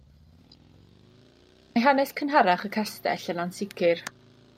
Mae hanes cynharach y castell yn ansicr.